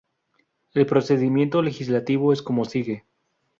El procedimiento legislativo es como sigue.